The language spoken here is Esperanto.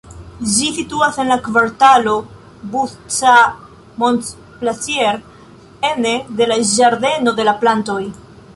Ĝi situas en la kvartalo Busca-Montplaisir, ene de la Ĝardeno de la Plantoj.